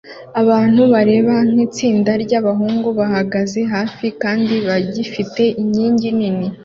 Abantu bareba nkitsinda ryabahungu bahagaze hafi kandi bagifata inkingi nini